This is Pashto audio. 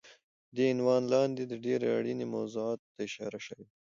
دې عنوان لاندې د ډېرې اړینې موضوعاتو ته اشاره شوی دی